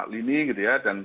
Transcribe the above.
lini gitu ya dan